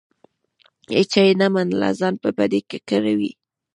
هیچا یې نه منله؛ ځان په بدۍ ککړوي.